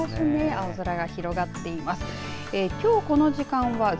青空が広がっています。